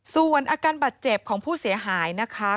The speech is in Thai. ส่วนอาการบาดเจ็บของผู้เสียหายนะคะ